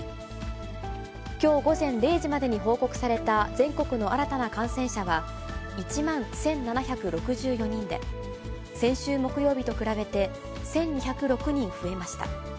きょう午前０時までに報告された全国の新たな感染者は１万１７６４人で、先週木曜日と比べて１２０６人増えました。